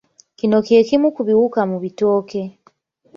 Kino kye kimu ku biwuka mu bitooke.